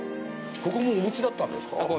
ここもおうちだったんですか？